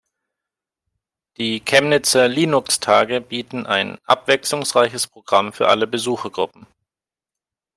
Die Chemnitzer Linux-Tage bieten ein abwechslungsreiches Programm für alle Besuchergruppen.